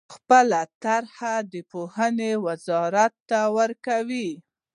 خپلې طرحې د پوهنې وزارت ته ورکوي.